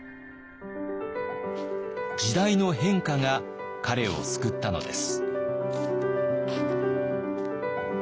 時代の変化が彼を救ったのです。